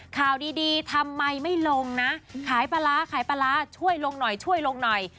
ข่าวดีทำไมไม่ลงนะขายปลาร้าขายปลาร้าช่วยลงหน่อยช่วยลงหน่อย